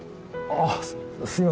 あっ